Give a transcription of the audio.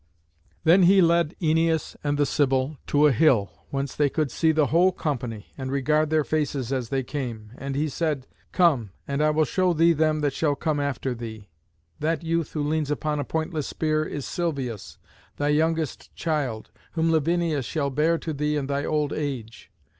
Then he led Æneas and the Sibyl to a hill, whence they could see the whole company, and regard their faces as they came; and he said, "Come, and I will show thee them that shall come after thee. That youth who leans upon a pointless spear is Silvius, thy youngest child, whom Lavinia shall bear to thee in thy old age.